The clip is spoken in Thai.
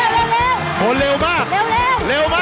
โดนเร็วมากเร็ว